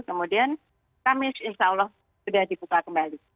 kemudian kamis insya allah sudah dibuka kembali